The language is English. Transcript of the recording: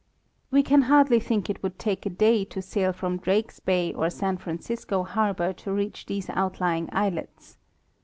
We can hardly think it would take a day to sail from Drakes bay or San Francisco harbor to reach these outlying islets.